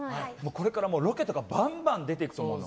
これからロケとかバンバン出ていくじゃない。